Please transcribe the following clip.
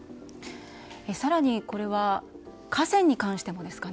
更にこれは河川に関してもですかね。